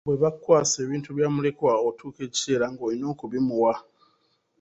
Bwe bakkwasa ebintu bya mulekwa otuuka ekiseera ng'oyina okubimuwa.